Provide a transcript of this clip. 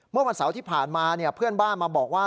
เมื่อวันเสาร์ที่ผ่านมาเพื่อนบ้านมาบอกว่า